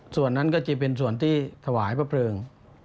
ส่วนนั้นก็จะเป็นส่วนที่ถวายพระเพลิง